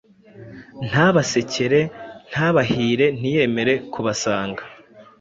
Ntabasekere: ntabahire, ntiyemere kubasanga